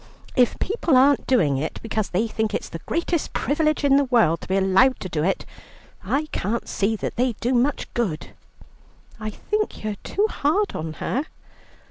If people aren't doing it because they think it's the greatest privilege in the world to be allowed to do it, I can't see that they do much good." "I think you're too hard on her."